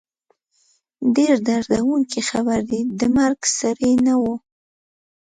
ډېر دردوونکی خبر دی، د مرګ سړی نه وو